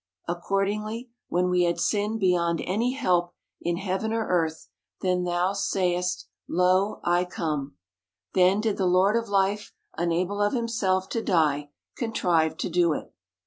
Accordingly, when we had sinned beyond 87 any help in heaven or earth, then thou saidst, " Lo, I come !" Then did the Lord of life, unable of himself to die, contrive to do it.